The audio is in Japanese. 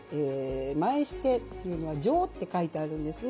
前シテというのは尉って書いてあるんですね